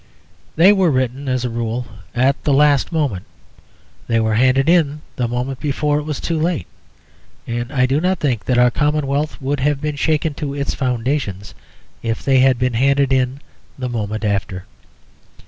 They were written, as a rule, at the last moment; they were handed in the moment before it was too late, and I do not think that our commonwealth would have been shaken to its foundations if they had been handed in the moment after.